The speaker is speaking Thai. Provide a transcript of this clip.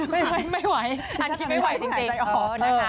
ไม่ไหวอันที่ไม่ไหวจริงนะคะ